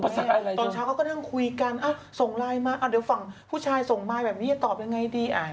ตอนเช้าเขาก็นั่งคุยกันส่งไลน์มาเดี๋ยวฝั่งผู้ชายส่งมาแบบนี้จะตอบยังไงดี